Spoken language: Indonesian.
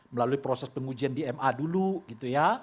melalui proses pengujian di ma dulu gitu ya